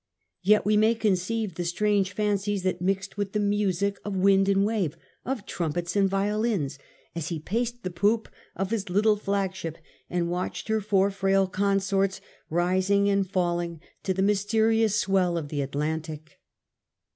Yet we may conceive the strange fancies that mixed with the music of wind and wave, of trumpets and violins, as he paced the poop of his little flagship and watched her four frail consorts rising and falling to the mysterious swell of the Atlantic.